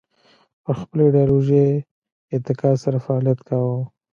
پر خپلې ایدیالوژۍ اتکا سره فعالیت کاوه